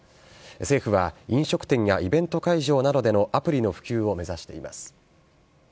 政府は、飲食店やイベント会場などでのアプリの普及を目指しています。